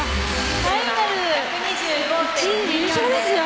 「ファイナル１位入賞ですよ